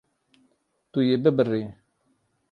Tu yê bibirî.